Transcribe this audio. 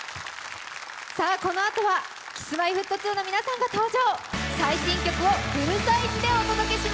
このあとはＫｉｓ−Ｍｙ−Ｆｔ２の皆さんが登場。